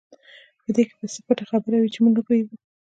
په دې کې به څه پټه خبره وي چې موږ نه پوهېږو.